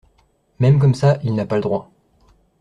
Même comme ça, il n’a pas le droit.